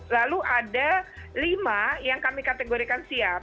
lalu ada lima yang kami kategorikan siap